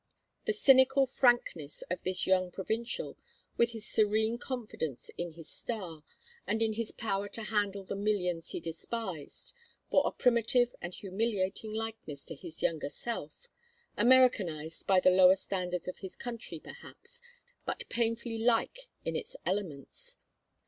The cynical frankness of this young provincial, with his serene confidence in his star, and in his power to handle the millions he despised, bore a primitive and humiliating likeness to his younger self: Americanized by the lower standards of his country perhaps, but painfully like in its elements.